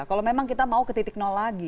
kalau memang kita mau menjaga kemampuan manusia